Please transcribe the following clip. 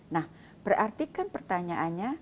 nah berarti kan pertanyaannya